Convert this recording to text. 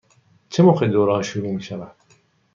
چه موقع دوره ها شروع می شود؟